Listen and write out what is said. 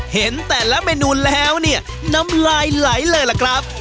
เห็นแต่ละเมนูแล้วเนี่ยน้ำลายไหลเลยล่ะครับ